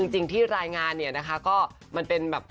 จริงที่รายงานเนี่ยนะคะก็มันเป็นแบบ